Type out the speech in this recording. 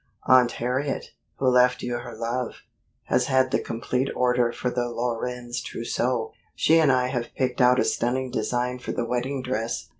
Aunt Harriet, who left you her love, has had the complete order for the Lorenz trousseau. She and I have picked out a stunning design for the wedding dress.